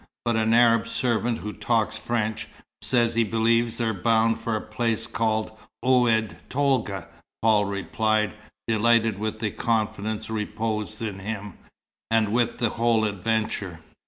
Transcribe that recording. But an Arab servant who talks French, says he believes they're bound for a place called Oued Tolga," Paul replied, delighted with the confidence reposed in him, and with the whole adventure.